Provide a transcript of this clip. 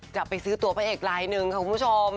จะไปซื้อตัวพระเอกลายหนึ่งค่ะคุณผู้ชม